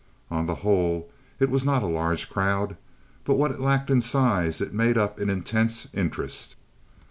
On the whole it was not a large crowd, but what it lacked in size it made up in intense interest.